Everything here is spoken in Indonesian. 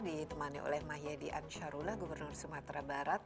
ditemani oleh mahyadi ansarullah gubernur sumatera barat